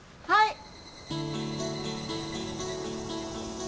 はい。